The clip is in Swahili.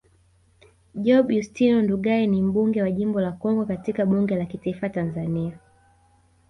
Job Yustino Ndugai ni mbunge wa jimbo la Kongwa katika bunge la kitaifa Tanzania